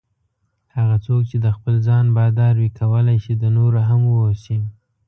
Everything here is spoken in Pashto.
هغه څوک چې د خپل ځان بادار وي کولای شي د نورو هم واوسي.